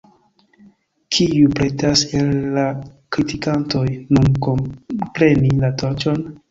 Kiuj pretas, el la kritikantoj, nun kunpreni la torĉon?